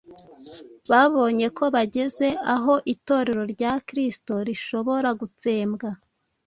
Babonye ko bageze aho Itorero rya Kristo rishobora gutsembwa